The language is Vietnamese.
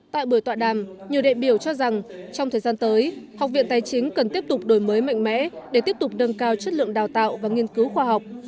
tại buổi tọa đàm nhiều đệ biểu cho rằng trong thời gian tới học viện tài chính cần tiếp tục đổi mới mạnh mẽ để tiếp tục nâng cao chất lượng đào tạo và nghiên cứu khoa học